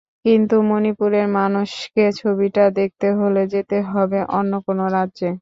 কিন্তু মণিপুরের মানুষকে ছবিটা দেখতে হলে যেতে হবে অন্য কোনো রাজ্যে।